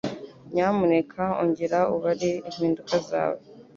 Nyamuneka ongera ubare impinduka zawe.